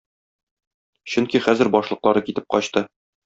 Чөнки хәзер башлыклары китеп качты.